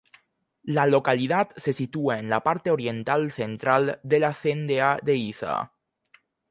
La localidad se sitúa en la parte oriental central de la Cendea de Iza.